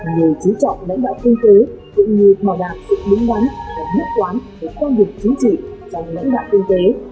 người chú trọng lãnh đạo kinh tế cũng như bảo đảm sự đứng đắn và nhất toán của con vực chính trị trong lãnh đạo kinh tế